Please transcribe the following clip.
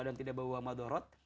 dan tidak bawa madorot